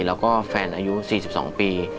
แล้วก็แฟนอายุ๔๒ปี